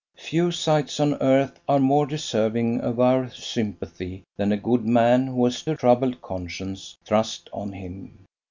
Few sights on earth are more deserving of our sympathy than a good man who has a troubled conscience thrust on him.